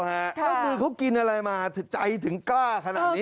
แล้วมือเขากินอะไรมาใจถึงกล้าขนาดนี้